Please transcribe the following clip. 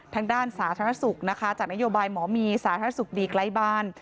ทางด้านสาธารณสุขนะคะจากนโยบายหมอมีสาธารณสุขดีใกล้บ้าน